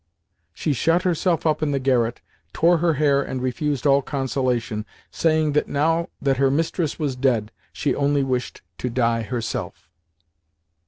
She shut herself up in the garret, tore her hair and refused all consolation, saying that, now that her mistress was dead, she only wished to die herself.